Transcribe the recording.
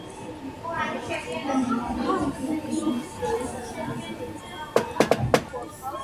იქვე დაუახლოვდა მომავალ „თერგდალეულებს“.